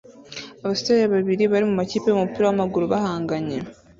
Abasore babiri bari mumakipe yumupira wamaguru bahanganye